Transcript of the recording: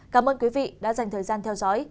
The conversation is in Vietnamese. cảm ơn quý vị đã dành thời gian theo dõi